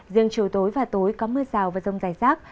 riêng chiều tối và tối có mưa rào và rông dài rác